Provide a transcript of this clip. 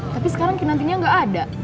tapi sekarang kinantinya gak ada